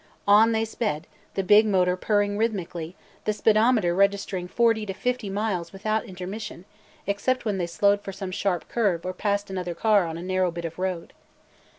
On they sped, the big motor purring rhythmically, the speedometer registering forty to fifty miles without intermission, except when they slowed for some sharp curve or passed another car on a narrow bit of road.